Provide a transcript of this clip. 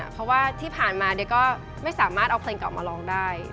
เพราะว่าที่ผ่านมาก็ไม่สามารถเอาเพลงออกมาลองได้